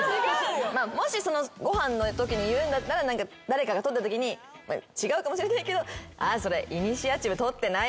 もしご飯のときに言うんだったら誰かが取ったときに違うかもしれないけど「あっそれイニシアチブ取ってない？」みたいな感じかな。